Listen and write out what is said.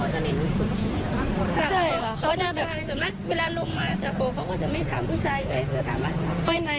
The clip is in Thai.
แต่ถ้าผู้ชายแกก็ปล่อย